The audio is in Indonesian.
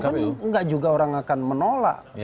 kan enggak juga orang akan menolak